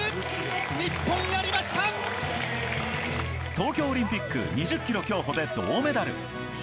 東京オリンピック２０ｋｍ競歩で銅メダル。